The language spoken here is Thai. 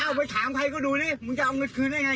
ถ้าเอาไปถามใครก็ดูนี่มึงจะเอาเงินคืนยังไง